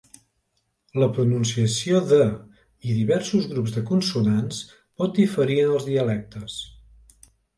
La pronunciació de i diversos grups de consonants pot diferir en els dialectes.